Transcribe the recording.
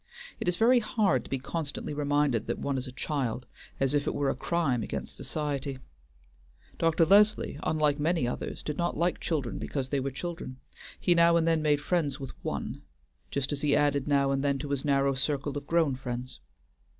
It is very hard to be constantly reminded that one is a child, as if it were a crime against society. Dr. Leslie, unlike many others, did not like children because they were children; he now and then made friends with one, just as he added now and then to his narrow circle of grown friends.